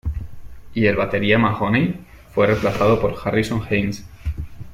Y el batería Mahoney fue reemplazado por Harrison Haynes.